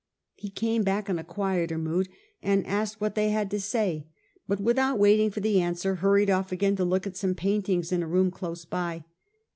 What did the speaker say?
He came back in a quieter mood, and asked what they had to say, but without waiting for the answer hurried off again to look at some paintings in a room close by.